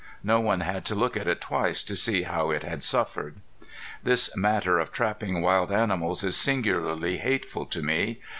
No one had to look at it twice to see how it had suffered. This matter of trapping wild animals is singularly hateful to me.